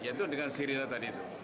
yaitu dengan sirine tadi itu